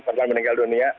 korban meninggal dunia